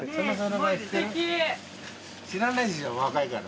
知らないでしょ若いから。